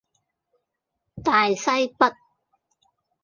大西北